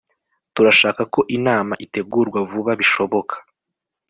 turashaka ko inama itegurwa vuba bishoboka